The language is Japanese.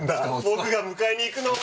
僕が迎えに行くのを。